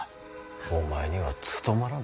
お前には務まらぬ。